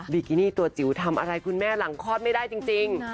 ิกินี่ตัวจิ๋วทำอะไรคุณแม่หลังคลอดไม่ได้จริง